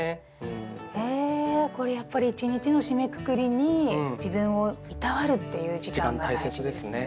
へえこれやっぱり一日の締めくくりに自分をいたわるっていう時間が大事ですね。